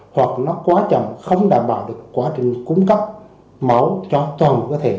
hoặc nó quá chậm không đảm bảo được quá trình cung cấp máu cho toàn cơ thể